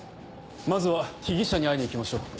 まずは被疑者に会いに行きましょう。